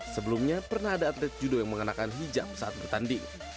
sebelumnya pernah ada atlet judo yang mengenakan hijab saat bertanding